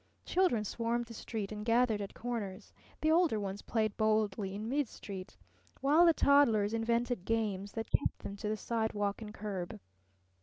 Children swarmed the street and gathered at corners. The older ones played boldly in midstreet, while the toddlers invented games that kept them to the sidewalk and curb.